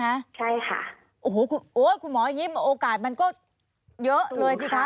ใช่ค่ะโอ้โหคุณหมอยิ้มโอกาสมันก็เยอะเลยสิคะ